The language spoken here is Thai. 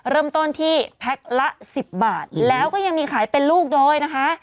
เริ่มต้นที่แพ็คละ๑๐บาทแล้วก็ยังมีขายเป็นลูกโดยนะคะ